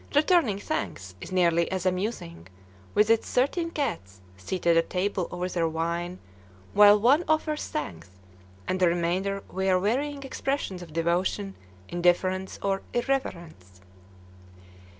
"Returning Thanks" is nearly as amusing, with its thirteen cats seated at table over their wine, while one offers thanks, and the remainder wear varying expressions of devotion, indifference, or irreverence.